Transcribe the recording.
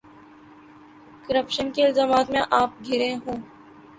Corruption کے الزامات میں آپ گھرے ہوں۔